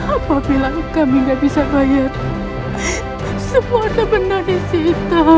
apabila kami tidak bisa bayar semua ada benar di sitar